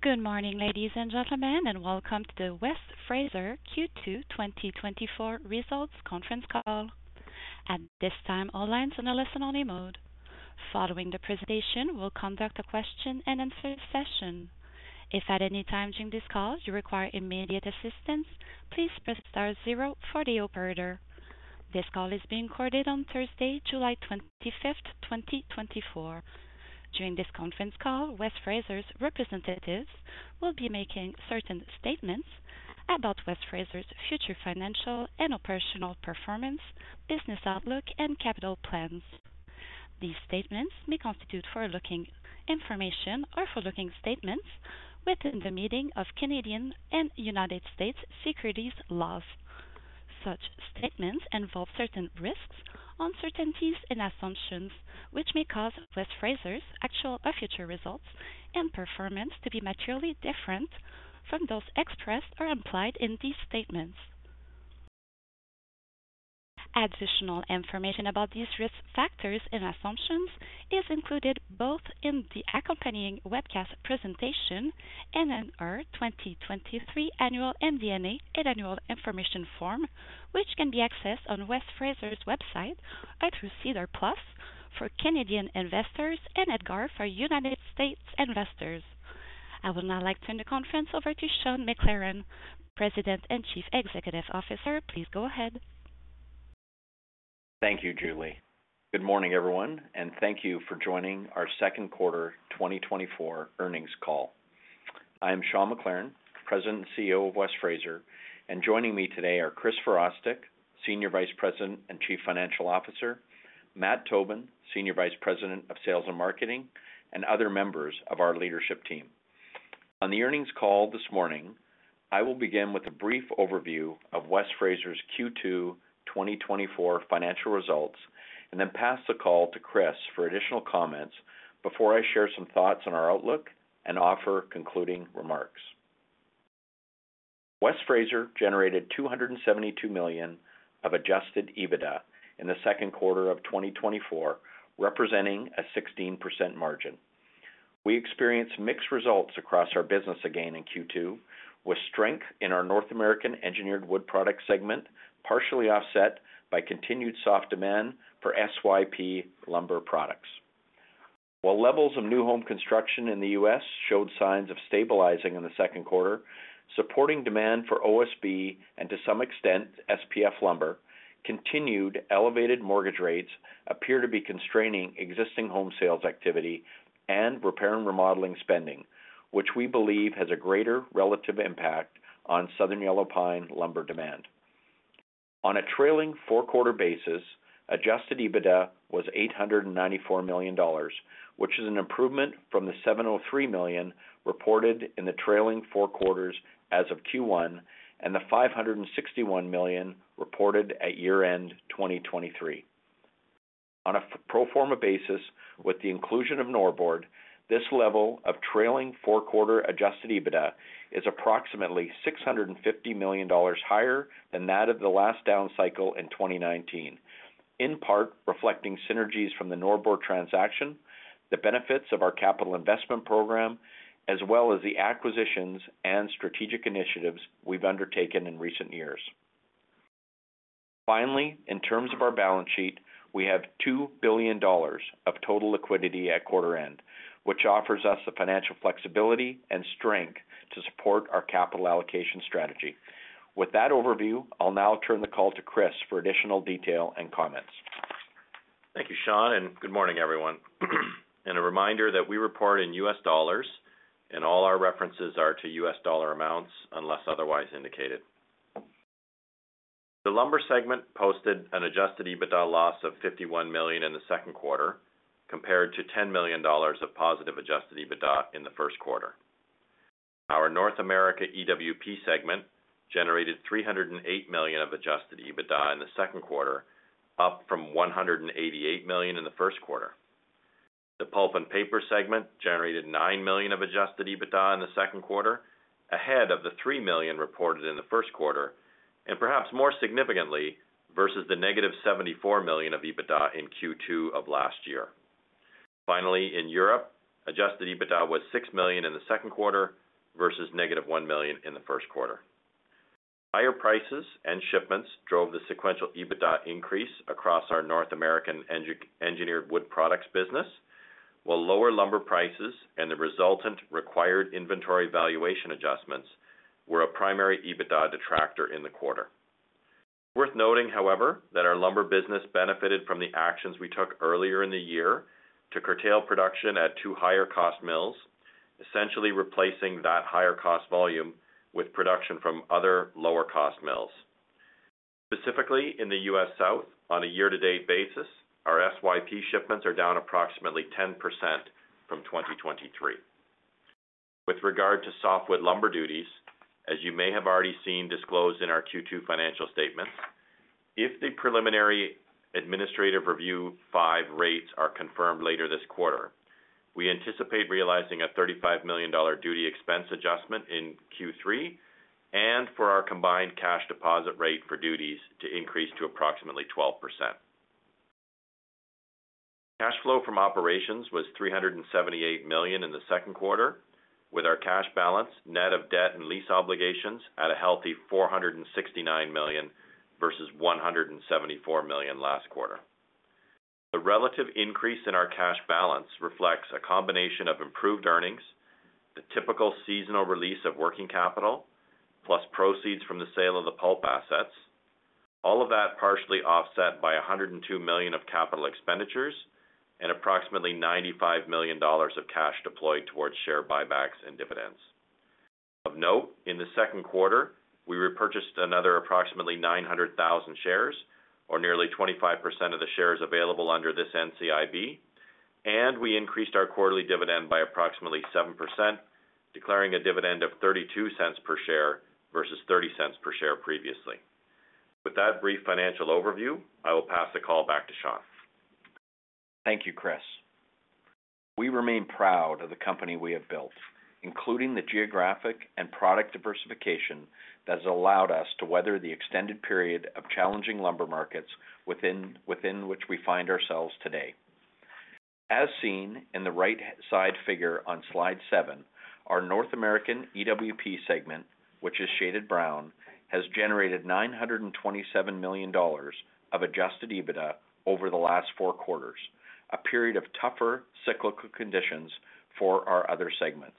Good morning, ladies and gentlemen, and welcome to the West Fraser Q2 2024 results conference call. At this time, all lines on a listen-only mode. Following the presentation, we'll conduct a question-and-answer session. If at any time during this call you require immediate assistance, please press star zero for the operator. This call is being recorded on Thursday, July 25th, 2024. During this conference call, West Fraser's representatives will be making certain statements about West Fraser's future financial and operational performance, business outlook, and capital plans. These statements may constitute forward-looking information or forward-looking statements within the meaning of Canadian and United States securities laws. Such statements involve certain risks, uncertainties and assumptions, which may cause West Fraser's actual or future results and performance to be materially different from those expressed or implied in these statements. Additional information about these risk factors and assumptions is included both in the accompanying webcast presentation and in our 2023 annual MD&A and Annual Information Form, which can be accessed on West Fraser's website or through SEDAR+ for Canadian investors and EDGAR for United States investors. I would now like to turn the conference over to Sean McLaren, President and Chief Executive Officer. Please go ahead. Thank you, Julie. Good morning, everyone, and thank you for joining our second quarter 2024 earnings call. I am Sean McLaren, President and CEO of West Fraser, and joining me today are Chris Virostek, Senior Vice President and Chief Financial Officer, Matt Tobin, Senior Vice President of Sales and Marketing, and other members of our leadership team. On the earnings call this morning, I will begin with a brief overview of West Fraser's Q2 2024 financial results, and then pass the call to Chris for additional comments before I share some thoughts on our outlook and offer concluding remarks. West Fraser generated $272 million of adjusted EBITDA in the second quarter of 2024, representing a 16% margin. We experienced mixed results across our business again in Q2, with strength in our North American Engineered Wood Product segment, partially offset by continued soft demand for SYP lumber products. While levels of new home construction in the U.S. showed signs of stabilizing in the second quarter, supporting demand for OSB and to some extent SPF lumber, continued elevated mortgage rates appear to be constraining existing home sales activity and repair and remodeling spending, which we believe has a greater relative impact on southern yellow pine lumber demand. On a trailing four-quarter basis, Adjusted EBITDA was $894 million, which is an improvement from the $703 million reported in the trailing four quarters as of Q1 and the $561 million reported at year-end 2023. On a pro forma basis, with the inclusion of Norbord, this level of trailing four-quarter Adjusted EBITDA is approximately $650 million higher than that of the last down cycle in 2019, in part reflecting synergies from the Norbord transaction, the benefits of our capital investment program, as well as the acquisitions and strategic initiatives we've undertaken in recent years. Finally, in terms of our balance sheet, we have $2 billion of total liquidity at quarter end, which offers us the financial flexibility and strength to support our capital allocation strategy. With that overview, I'll now turn the call to Chris for additional detail and comments. Thank you, Sean, and good morning, everyone. A reminder that we report in U.S. dollars and all our references are to U.S. dollar amounts unless otherwise indicated. The lumber segment posted an adjusted EBITDA loss of $51 million in the second quarter, compared to $10 million of positive adjusted EBITDA in the first quarter. Our North America EWP segment generated $308 million of adjusted EBITDA in the second quarter, up from $188 million in the first quarter. The pulp and paper segment generated $9 million of adjusted EBITDA in the second quarter, ahead of the $3 million reported in the first quarter, and perhaps more significantly, versus the negative $74 million of EBITDA in Q2 of last year. Finally, in Europe, adjusted EBITDA was $6 million in the second quarter versus negative $1 million in the first quarter. Higher prices and shipments drove the sequential EBITDA increase across our North American Engineered Wood Products business, while lower lumber prices and the resultant required inventory valuation adjustments were a primary EBITDA detractor in the quarter. Worth noting, however, that our lumber business benefited from the actions we took earlier in the year to curtail production at two higher-cost mills, essentially replacing that higher-cost volume with production from other lower-cost mills. Specifically, in the U.S. South, on a year-to-date basis, our SYP shipments are down approximately 10% from 2023. With regard to softwood lumber duties, as you may have already seen disclosed in our Q2 financial statements, if the preliminary Administrative Review 5 rates are confirmed later this quarter, we anticipate realizing a $35 million duty expense adjustment in Q3 and for our combined cash deposit rate for duties to increase to approximately 12% . Cash flow from operations was $378 million in the second quarter, with our cash balance, net of debt and lease obligations, at a healthy $469 million versus $174 million last quarter. The relative increase in our cash balance reflects a combination of improved earnings, the typical seasonal release of working capital, plus proceeds from the sale of the pulp assets, all of that partially offset by $102 million of capital expenditures and approximately $95 million of cash deployed towards share buybacks and dividends. Of note, in the second quarter, we repurchased another approximately 900,000 shares, or nearly 25% of the shares available under this NCIB, and we increased our quarterly dividend by approximately 7%, declaring a dividend of $0.32 per share versus $0.30 per share previously. With that brief financial overview, I will pass the call back to Sean. Thank you, Chris. We remain proud of the company we have built, including the geographic and product diversification that has allowed us to weather the extended period of challenging lumber markets within which we find ourselves today. As seen in the right side figure on slide 7, our North American EWP segment, which is shaded brown, has generated $927 million of adjusted EBITDA over the last four quarters, a period of tougher cyclical conditions for our other segments.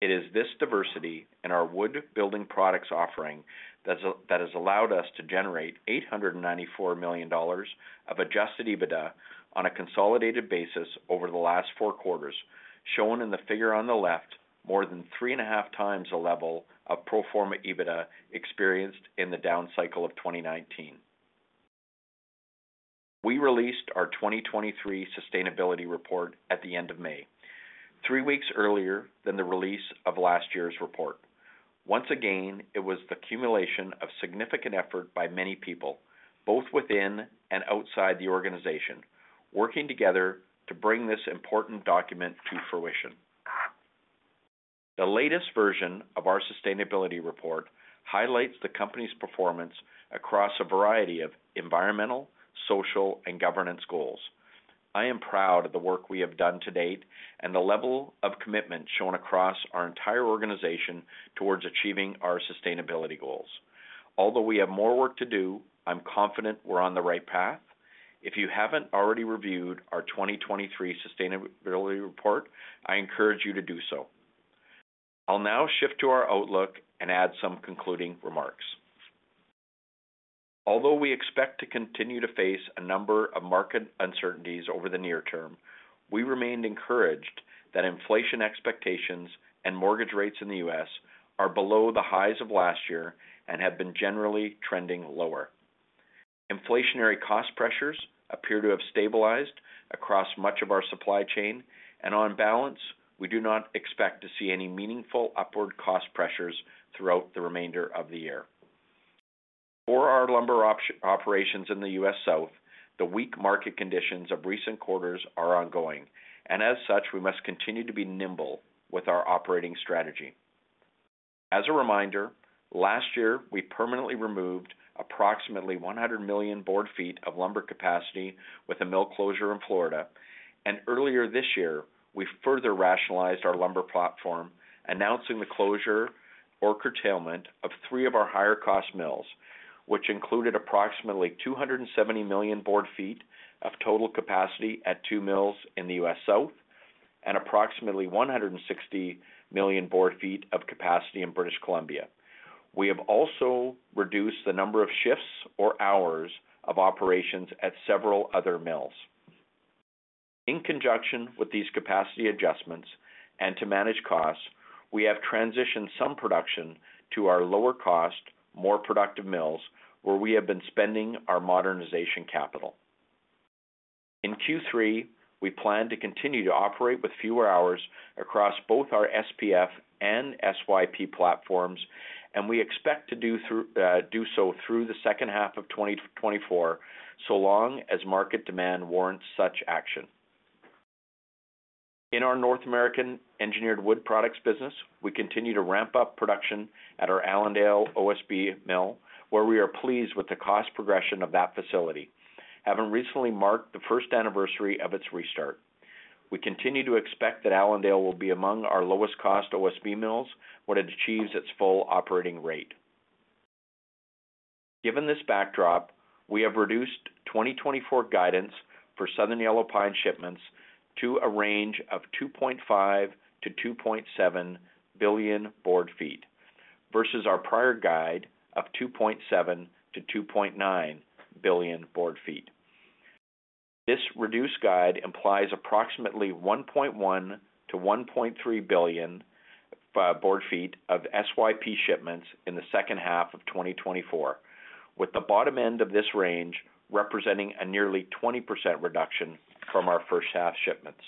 It is this diversity in our wood building products offering that has allowed us to generate $894 million of adjusted EBITDA on a consolidated basis over the last four quarters, shown in the figure on the left, more than 3.5x the level of pro forma EBITDA experienced in the downcycle of 2019. We released our 2023 sustainability report at the end of May, three weeks earlier than the release of last year's report. Once again, it was the accumulation of significant effort by many people, both within and outside the organization, working together to bring this important document to fruition. The latest version of our sustainability report highlights the company's performance across a variety of environmental, social, and governance goals. I am proud of the work we have done to date and the level of commitment shown across our entire organization towards achieving our sustainability goals. Although we have more work to do, I'm confident we're on the right path. If you haven't already reviewed our 2023 sustainability report, I encourage you to do so. I'll now shift to our outlook and add some concluding remarks. Although we expect to continue to face a number of market uncertainties over the near-term, we remained encouraged that inflation expectations and mortgage rates in the U.S. are below the highs of last year and have been generally trending lower. Inflationary cost pressures appear to have stabilized across much of our supply chain, and on balance, we do not expect to see any meaningful upward cost pressures throughout the remainder of the year. For our lumber operations in the U.S. South, the weak market conditions of recent quarters are ongoing, and as such, we must continue to be nimble with our operating strategy. As a reminder, last year, we permanently removed approximately 100 million board feet of lumber capacity with a mill closure in Florida, and earlier this year, we further rationalized our lumber platform, announcing the closure or curtailment of three of our higher-cost mills, which included approximately 270 million board feet of total capacity at two mills in the U.S. South and approximately 160 million board feet of capacity in British Columbia. We have also reduced the number of shifts or hours of operations at several other mills. In conjunction with these capacity adjustments and to manage costs, we have transitioned some production to our lower-cost, more productive mills, where we have been spending our modernization capital. In Q3, we plan to continue to operate with fewer hours across both our SPF and SYP platforms, and we expect to do through, do so through the second half of 2024, so long as market demand warrants such action. In our North American engineered wood products business, we continue to ramp up production at our Allendale OSB mill, where we are pleased with the cost progression of that facility, having recently marked the first anniversary of its restart. We continue to expect that Allendale will be among our lowest-cost OSB mills when it achieves its full operating rate. Given this backdrop, we have reduced 2024 guidance for Southern Yellow Pine shipments to a range of 2.5 billion-2.7 billion board feet versus our prior guide of 2.7 billion-2.9 billion board feet. This reduced guide implies approximately 1.1 billion-1.3 billion board feet of SYP shipments in the second half of 2024, with the bottom end of this range representing a nearly 20% reduction from our first half shipments.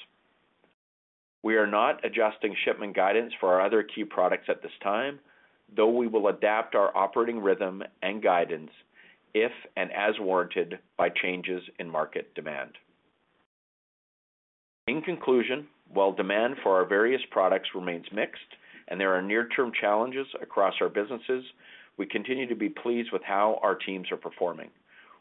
We are not adjusting shipment guidance for our other key products at this time, though we will adapt our operating rhythm and guidance if and as warranted by changes in market demand. In conclusion, while demand for our various products remains mixed and there are near-term challenges across our businesses, we continue to be pleased with how our teams are performing.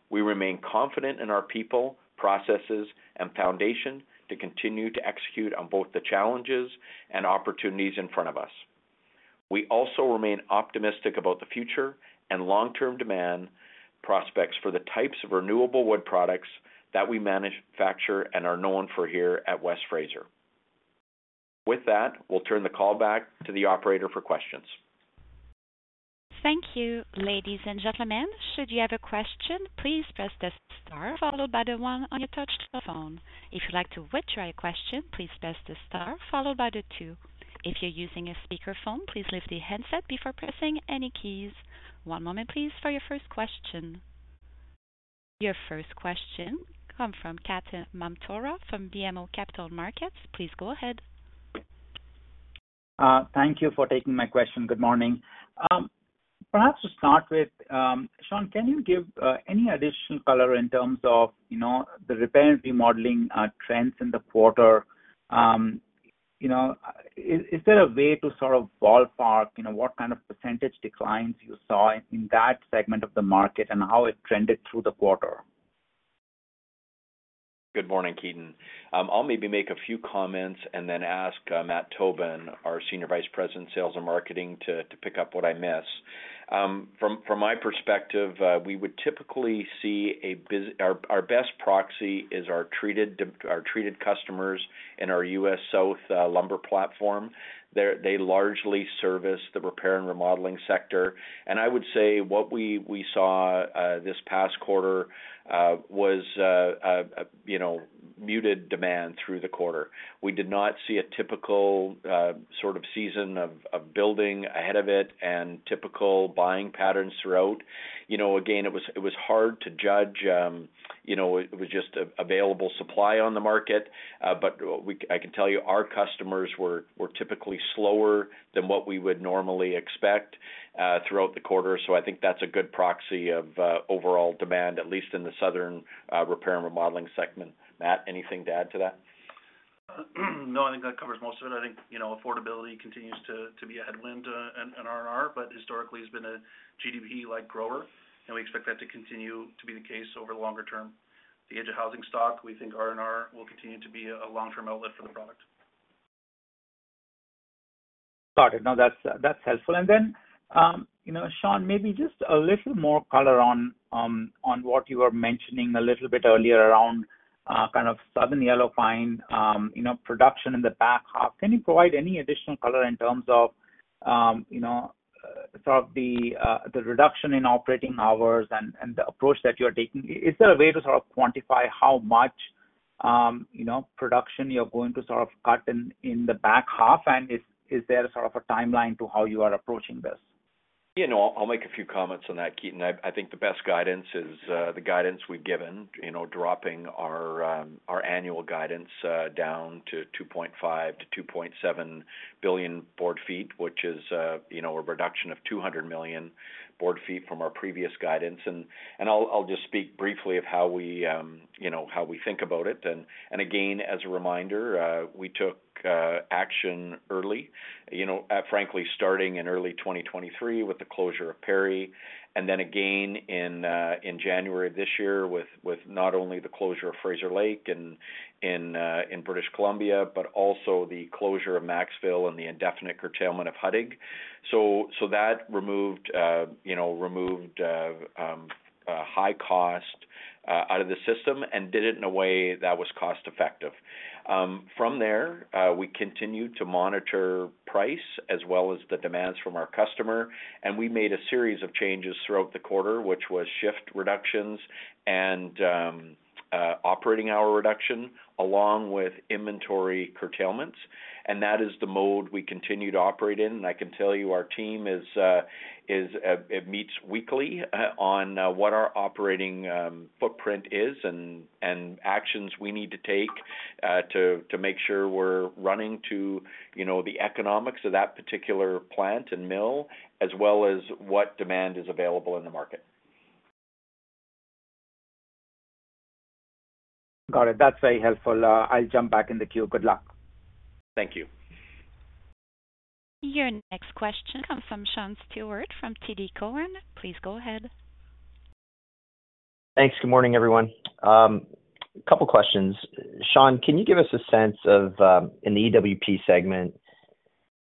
We remain confident in our people, processes, and foundation to continue to execute on both the challenges and opportunities in front of us. We also remain optimistic about the future and long-term demand prospects for the types of renewable wood products that we manage, manufacture, and are known for here at West Fraser. With that, we'll turn the call back to the operator for questions. Thank you. Ladies and gentlemen, should you have a question, please press the star followed by the one on your touchtone phone. If you'd like to withdraw your question, please press the star followed by the two. If you're using a speakerphone, please lift the handset before pressing any keys. One moment please, for your first question. Your first question come from Ketan Mamtora from BMO Capital Markets. Please go ahead. Thank you for taking my question. Good morning. Perhaps to start with, Sean, can you give any additional color in terms of, you know, the Repair and Remodeling trends in the quarter? You know, is there a way to sort of ballpark, you know, what kind of percentage declines you saw in that segment of the market and how it trended through the quarter? Good morning, Ketan. I'll maybe make a few comments and then ask Matt Tobin, our Senior Vice President, Sales and Marketing, to pick up what I miss. From my perspective, we would typically see our best proxy is our treated customers in our U.S. South lumber platform. They largely service the repair and remodeling sector. I would say what we saw this past quarter was a you know, muted demand through the quarter. We did not see a typical sort of season of building ahead of it and typical buying patterns throughout. You know, again, it was hard to judge, you know, it was just available supply on the market. But I can tell you our customers were typically slower than what we would normally expect throughout the quarter. So I think that's a good proxy of overall demand, at least in the southern repair and remodeling segment. Matt, anything to add to that? No, I think that covers most of it. I think, you know, affordability continues to be a headwind, uh, in R&R, but historically has been a GDP-like grower, and we expect that to continue to be the case over the longer-term. The age of housing stock, we think R&R will continue to be a long-term outlet for the product. Got it. No, that's, that's helpful. And then, you know, Sean, maybe just a little more color on, on what you were mentioning a little bit earlier around, kind of Southern Yellow Pine, you know, production in the back half. Can you provide any additional color in terms of, you know, sort of the, the reduction in operating hours and, and the approach that you're taking? Is there a way to sort of quantify how much, you know, production you're going to sort of cut in, in the back half? And is there sort of a timeline to how you are approaching this? You know, I'll make a few comments on that, Ketan. I think the best guidance is the guidance we've given, you know, dropping our annual guidance down to 2.5 billion, 2.7 billion board feet, which is, you know, a reduction of 200 million board feet from our previous guidance. And I'll just speak briefly of how we think about it. And again, as a reminder, we took action early, you know, frankly, starting in early 2023, with the closure of Perry, and then again in January of this year, with not only the closure of Fraser Lake in British Columbia, but also the closure of Maxville and the indefinite curtailment of Huttig. So that removed, you know, high cost out of the system and did it in a way that was cost effective. From there, we continued to monitor price as well as the demands from our customer, and we made a series of changes throughout the quarter, which was shift reductions and operating hour reduction, along with inventory curtailments. And that is the mode we continue to operate in. And I can tell you our team is it meets weekly on what our operating footprint is and actions we need to take to make sure we're running to, you know, the economics of that particular plant and mill, as well as what demand is available in the market. Got it. That's very helpful. I'll jump back in the queue. Good luck. Thank you. Your next question comes from Sean Steuart, from TD Cowen. Please go ahead. Thanks. Good morning, everyone. A couple questions. Sean, can you give us a sense of, in the EWP segment,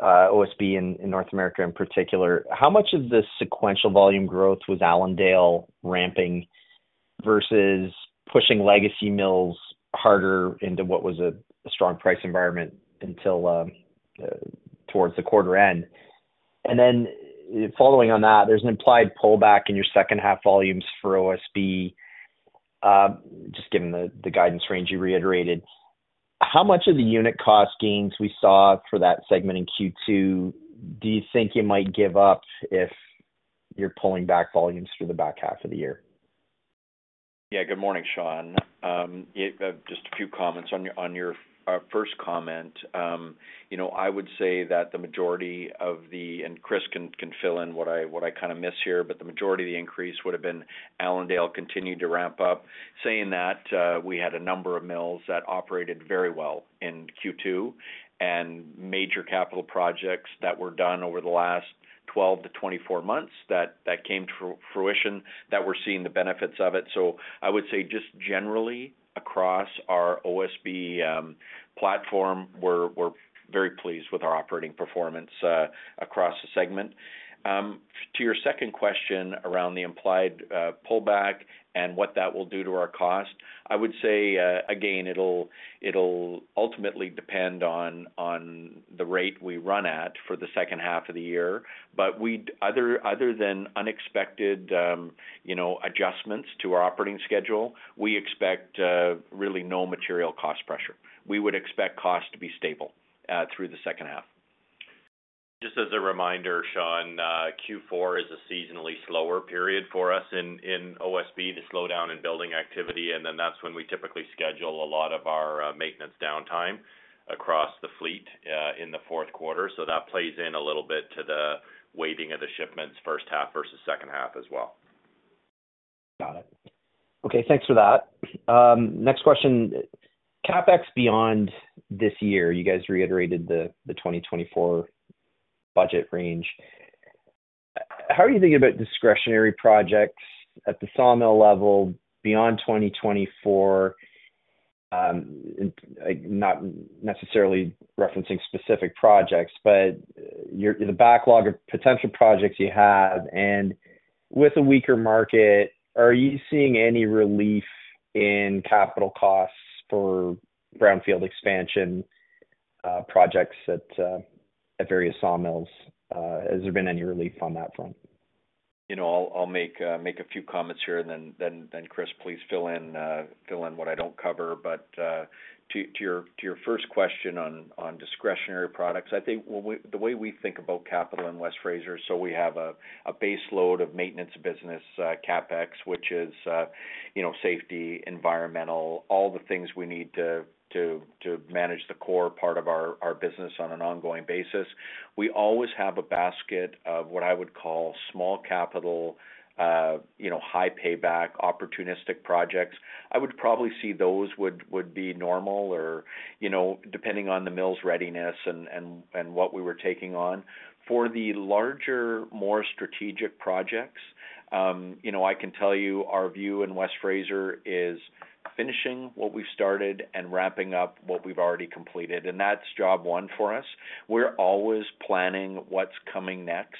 OSB in, in North America in particular, how much of the sequential volume growth was Allendale ramping versus pushing legacy mills harder into what was a strong price environment until, towards the quarter end? And then following on that, there's an implied pullback in your second half volumes for OSB, just given the, the guidance range you reiterated. How much of the unit cost gains we saw for that segment in Q2, do you think you might give up if you're pulling back volumes through the back half of the year? Yeah, good morning, Sean. Yeah, just a few comments on your, on your, first comment. You know, I would say that the majority of the, and Chris can, can fill in what I, what I kind of miss here, but the majority of the increase would have been Allendale continued to ramp up. Saying that, we had a number of mills that operated very well in Q2, and major capital projects that were done over the last 12-24 months, that, that came to fruition, that we're seeing the benefits of it. So I would say just generally across our OSB platform, we're very pleased with our operating performance, across the segment. To your second question around the implied pullback and what that will do to our cost, I would say, again, it'll ultimately depend on the rate we run at for the second half of the year. But other than unexpected, you know, adjustments to our operating schedule, we expect really no material cost pressure. We would expect costs to be stable through the second half. Just as a reminder, Sean, Q4 is a seasonally slower period for us in OSB, the slowdown in building activity, and then that's when we typically schedule a lot of our maintenance downtime across the fleet in the fourth quarter. So that plays in a little bit to the weighting of the shipments first half versus second half as well. Got it. Okay, thanks for that. Next question. CapEx beyond this year, you guys reiterated the 2024 budget range. How are you thinking about discretionary projects at the sawmill level beyond 2024? Not necessarily referencing specific projects, but the backlog of potential projects you have, and with a weaker market, are you seeing any relief in capital costs for brownfield expansion projects at various sawmills? Has there been any relief on that front? You know, I'll make a few comments here, and then Chris, please fill in what I don't cover. But to your first question on discretionary products, I think the way we think about capital in West Fraser, so we have a base load of maintenance business, CapEx, which is, you know, safety, environmental, all the things we need to manage the core part of our business on an ongoing basis. We always have a basket of what I would call small capital, you know, high payback, opportunistic projects. I would probably see those would be normal or, you know, depending on the mill's readiness and what we were taking on. For the larger, more strategic projects, you know, I can tell you our view in West Fraser is finishing what we've started and ramping up what we've already completed, and that's job one for us. We're always planning what's coming next,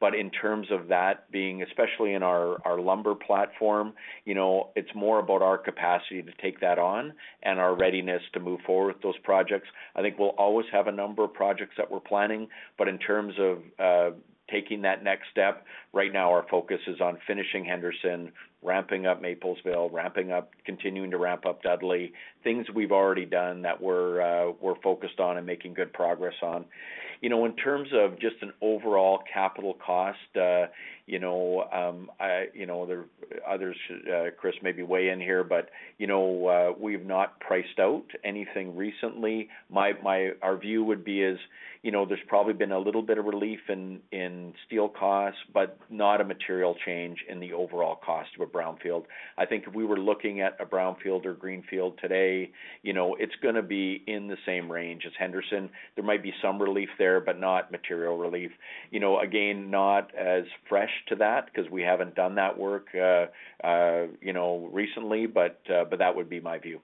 but in terms of that being, especially in our, our lumber platform, you know, it's more about our capacity to take that on and our readiness to move forward with those projects. I think we'll always have a number of projects that we're planning, but in terms of, taking that next step, right now, our focus is on finishing Henderson, ramping up Maplesville, ramping up, continuing to ramp up Dudley. Things we've already done that we're, we're focused on and making good progress on. You know, in terms of just an overall capital cost, you know, the others, Chris, maybe weigh in here, but, you know, we've not priced out anything recently. Our view would be is, you know, there's probably been a little bit of relief in steel costs, but not a material change in the overall cost of a brownfield. I think if we were looking at a brownfield or greenfield today, you know, it's gonna be in the same range as Henderson. There might be some relief there, but not material relief. You know, again, not as fresh to that because we haven't done that work, you know, recently, but that would be my view.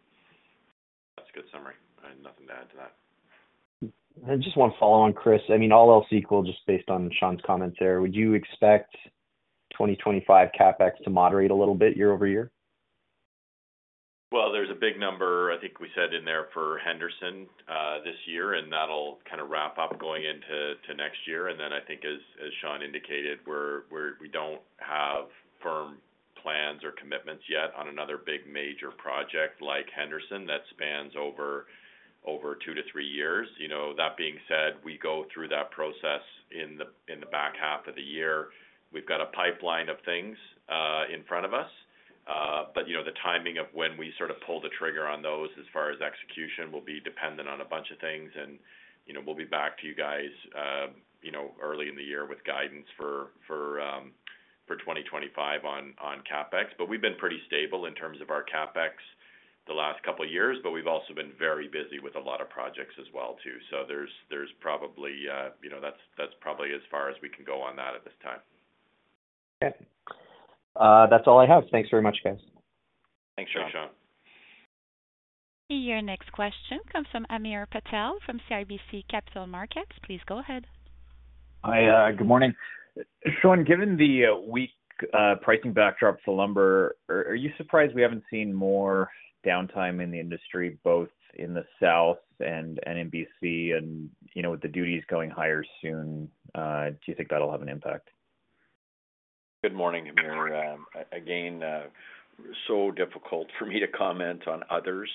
That's a good summary. I have nothing to add to that. I just want to follow on, Chris. I mean, all else equal, just based on Sean's comments there, would you expect 2025 CapEx to moderate a little bit year-over-year? Well, there's a big number, I think we said in there for Henderson this year, and that'll kind of wrap up going into next year. And then I think, as Sean indicated, we don't have firm plans or commitments yet on another big major project like Henderson that spans over two to three years. You know, that being said, we go through that process in the back half of the year. We've got a pipeline of things in front of us, but you know, the timing of when we sort of pull the trigger on those as far as execution will be dependent on a bunch of things. And, you know, we'll be back to you guys early in the year with guidance for 2025 on CapEx. But we've been pretty stable in terms of our CapEx the last couple of years, but we've also been very busy with a lot of projects as well, too. So there's probably, you know, that's probably as far as we can go on that at this time. Okay. That's all I have. Thanks very much, guys. Thanks, Sean. Thanks, Sean. Your next question comes from Hamir Patel, from CIBC Capital Markets. Please go ahead. Hi, good morning. Sean, given the weak pricing backdrop for lumber, are you surprised we haven't seen more downtime in the industry, both in the South and in BC and, you know, with the duties going higher soon, do you think that'll have an impact? Good morning, Hamir. Again, so difficult for me to comment on others,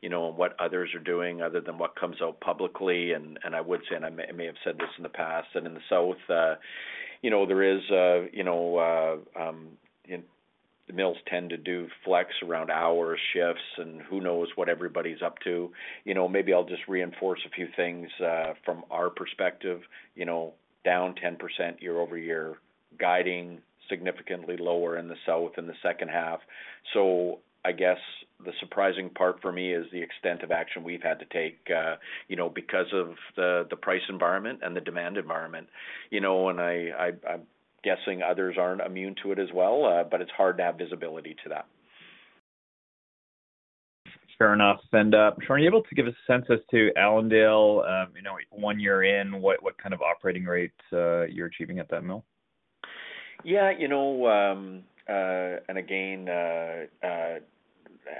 you know, what others are doing other than what comes out publicly. And I would say, and I may have said this in the past, and in the South. You know, there is, you know, in the mills tend to do flex around hours, shifts, and who knows what everybody's up to. You know, maybe I'll just reinforce a few things, from our perspective. You know, down 10% year-over-year, guiding significantly lower in the South in the second half. So I guess the surprising part for me is the extent of action we've had to take, you know, because of the price environment and the demand environment. You know, and I, I'm guessing others aren't immune to it as well, but it's hard to have visibility to that. Fair enough. And, Sean, are you able to give a sense as to Allendale, you know, one year in, what, what kind of operating rates, you're achieving at that mill? Yeah, you know, and again,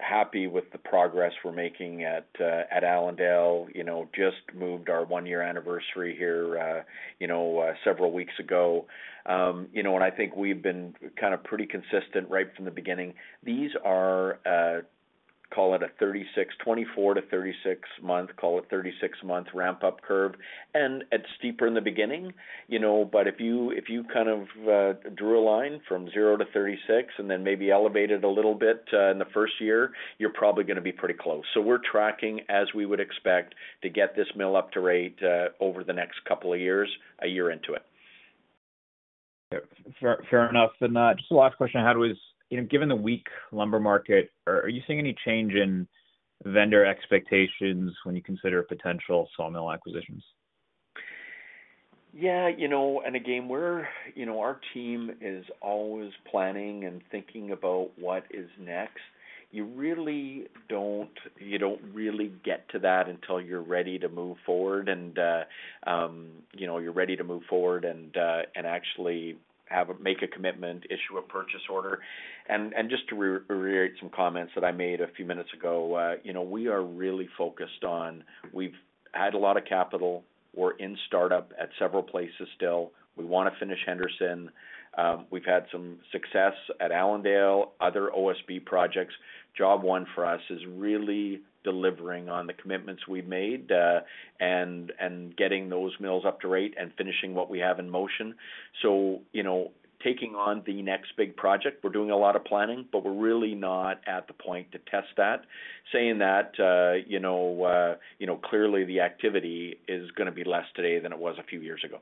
happy with the progress we're making at Allendale. You know, just moved our 1-year anniversary here, you know, several weeks ago. You know, and I think we've been kind of pretty consistent right from the beginning. These are, call it a 36, 24-36 month, call it 36-month ramp-up curve, and it's steeper in the beginning, you know, but if you kind of, drew a line from 0-36 and then maybe elevate it a little bit, in the first year, you're probably gonna be pretty close. So we're tracking, as we would expect, to get this mill up to rate, over the next couple of years, a year into it. Fair enough. And just the last question I had was, you know, given the weak lumber market, are you seeing any change in vendor expectations when you consider potential sawmill acquisitions? Yeah, you know, and again, our team is always planning and thinking about what is next. You don't really get to that until you're ready to move forward and actually make a commitment, issue a purchase order. And just to reiterate some comments that I made a few minutes ago, you know, we are really focused on. We've had a lot of capital. We're in startup at several places still. We wanna finish Henderson. We've had some success at Allendale, other OSB projects. Job one for us is really delivering on the commitments we've made, and getting those mills up to rate and finishing what we have in motion. You know, taking on the next big project, we're doing a lot of planning, but we're really not at the point to test that. Saying that, you know, you know, clearly the activity is gonna be less today than it was a few years ago.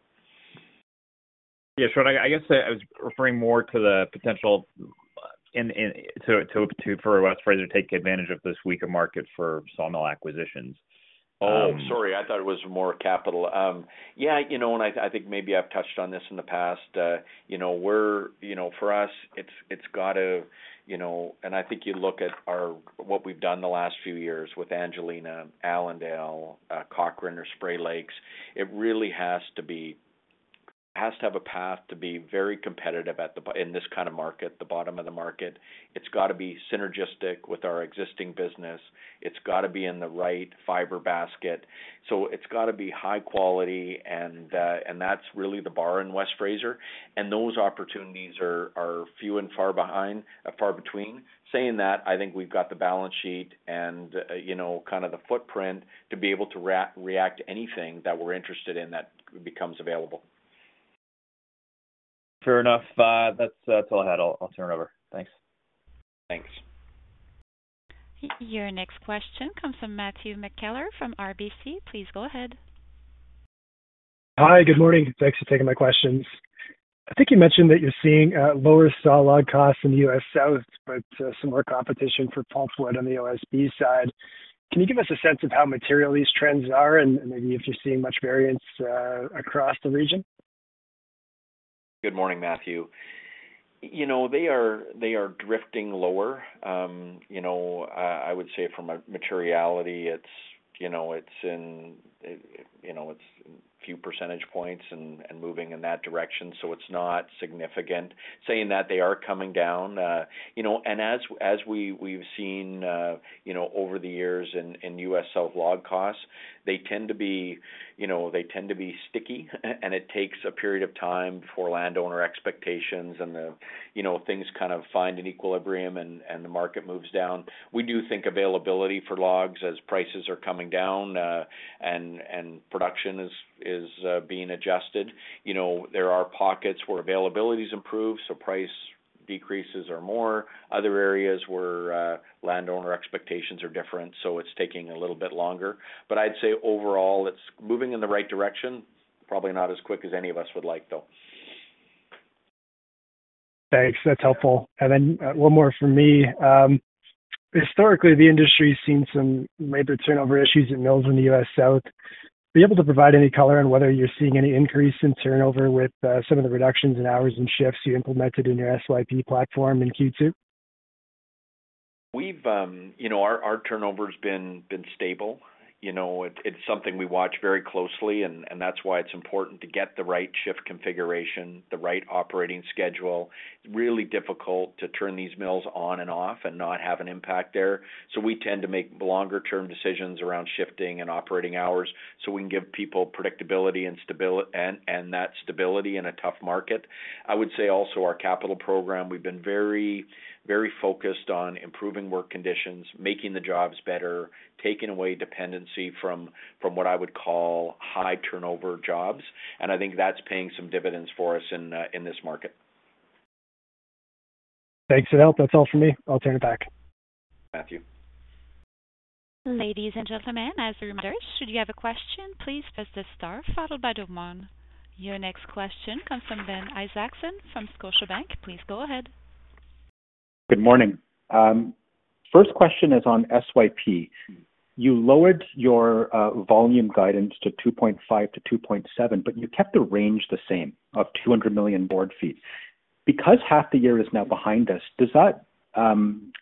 Yeah, Sean, I guess I was referring more to the potential for West Fraser to take advantage of this weaker market for sawmill acquisitions. Oh, sorry. I thought it was more capital. Yeah, you know, and I, I think maybe I've touched on this in the past. You know, for us, it's, it's got to, you know. And I think you look at our - what we've done the last few years with Angelina, Allendale, Cochrane, or Spray Lakes, it really has to be, has to have a path to be very competitive at the bottom in this kind of market, the bottom of the market. It's got to be synergistic with our existing business. It's got to be in the right fiber basket. So it's got to be high quality, and, and that's really the bar in West Fraser, and those opportunities are few and far between. Saying that, I think we've got the balance sheet and, you know, kind of the footprint to be able to react to anything that we're interested in that becomes available. Fair enough. That's all I had. I'll turn it over. Thanks. Thanks. Your next question comes from Matthew McKellar from RBC. Please go ahead. Hi, good morning. Thanks for taking my questions. I think you mentioned that you're seeing lower saw log costs in the U.S. South, but some more competition for pulpwood on the OSB side. Can you give us a sense of how material these trends are, and maybe if you're seeing much variance across the region? Good morning, Matthew. You know, they are, they are drifting lower. You know, I would say from a materiality, it's, you know, it's in, you know, it's a few percentage points and, and moving in that direction, so it's not significant. Saying that, they are coming down. You know, and as, as we, we've seen, you know, over the years in, in US South log costs, they tend to be, you know, they tend to be sticky, and it takes a period of time for landowner expectations and the, you know, things kind of find an equilibrium and, and the market moves down. We do think availability for logs as prices are coming down, and, and production is, is, being adjusted. You know, there are pockets where availability has improved, so price decreases or more. Other areas where landowner expectations are different, so it's taking a little bit longer. But I'd say overall, it's moving in the right direction. Probably not as quick as any of us would like, though. Thanks. That's helpful. And then, one more from me. Historically, the industry's seen some labor turnover issues in mills in the US South. Are you able to provide any color on whether you're seeing any increase in turnover with, some of the reductions in hours and shifts you implemented in your SYP platform in Q2? Our turnover's been stable. You know, it's something we watch very closely, and that's why it's important to get the right shift configuration, the right operating schedule. Really difficult to turn these mills on and off and not have an impact there. So we tend to make longer-term decisions around shifting and operating hours, so we can give people predictability and stability in a tough market. I would say also our capital program, we've been very focused on improving work conditions, making the jobs better, taking away dependency from what I would call high turnover jobs, and I think that's paying some dividends for us in this market. Thanks for the help. That's all for me. I'll turn it back. Thank you. Ladies and gentlemen, as reminders, should you have a question, please press the star followed by the one. Your next question comes from Ben Isaacson from Scotiabank. Please go ahead. Good morning. First question is on SYP. You lowered your volume guidance to 2.5 billion-2.7 billion, but you kept the range the same of 200 million board feet. Because half the year is now behind us, does that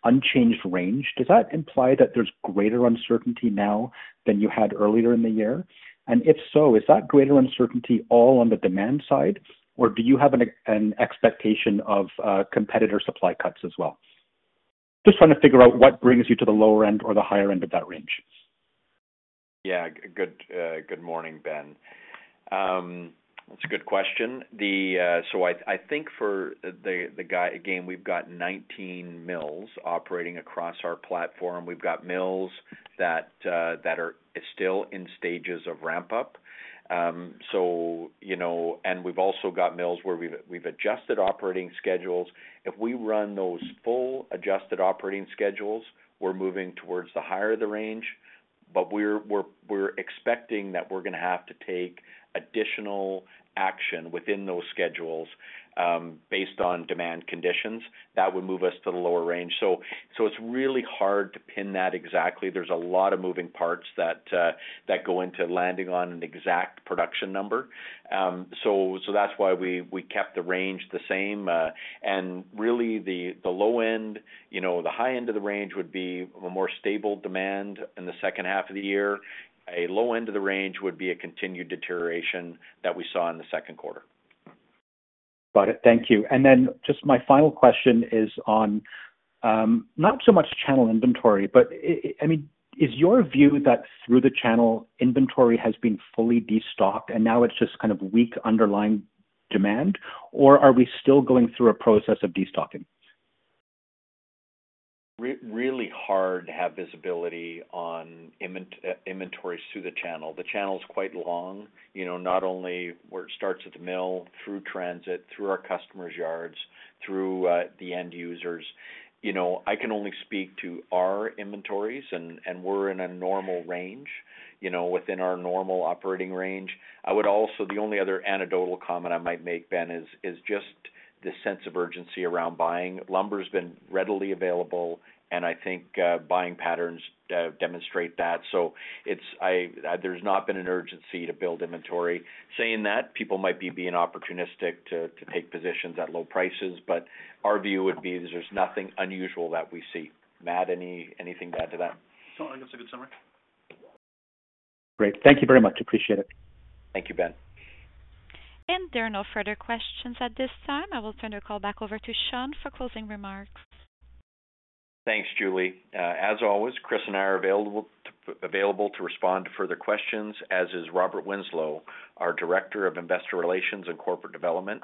unchanged range imply that there's greater uncertainty now than you had earlier in the year? And if so, is that greater uncertainty all on the demand side, or do you have an expectation of competitor supply cuts as well? Just trying to figure out what brings you to the lower end or the higher end of that range. Yeah, good morning, Ben. That's a good question. So I think for the guidance, again, we've got 19 mills operating across our platform. We've got mills that are still in stages of ramp up. And we've also got mills where we've adjusted operating schedules. If we run those full adjusted operating schedules, we're moving towards the higher end of the range, but we're expecting that we're gonna have to take additional action within those schedules, based on demand conditions. That would move us to the lower range. So it's really hard to pin that exactly. There's a lot of moving parts that go into landing on an exact production number. So that's why we kept the range the same. Really, the low end, you know, the high end of the range would be a more stable demand in the second half of the year. A low end of the range would be a continued deterioration that we saw in the second quarter. Got it. Thank you. And then just my final question is on, not so much channel inventory, but I mean, is your view that through the channel inventory has been fully destocked and now it's just kind of weak underlying demand, or are we still going through a process of destocking? Really hard to have visibility on inventories through the channel. The channel is quite long, you know, not only where it starts at the mill, through transit, through our customers' yards, through the end users. You know, I can only speak to our inventories, and we're in a normal range, you know, within our normal operating range. I would also, the only other anecdotal comment I might make, Ben, is just the sense of urgency around buying. Lumber's been readily available, and I think buying patterns demonstrate that. So it's, there's not been an urgency to build inventory. Saying that, people might be being opportunistic to take positions at low prices, but our view would be there's nothing unusual that we see. Matt, anything to add to that? No, I think that's a good summary. Great. Thank you very much. Appreciate it. Thank you, Ben. There are no further questions at this time. I will turn the call back over to Sean for closing remarks. Thanks, Julie. As always, Chris and I are available to respond to further questions, as is Robert Winslow, our Director of Investor Relations and Corporate Development.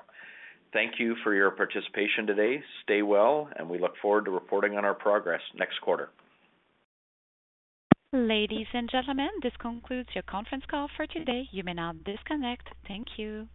Thank you for your participation today. Stay well, and we look forward to reporting on our progress next quarter. Ladies and gentlemen, this concludes your conference call for today. You may now disconnect. Thank you.